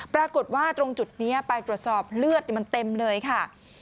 ปรากฏว่าตรงจุดนี้ไปตรวจสอบเลือดมันเต็มเลยค่ะ